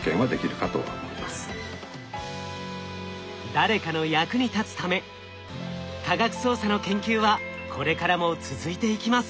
誰かの役に立つため科学捜査の研究はこれからも続いていきます。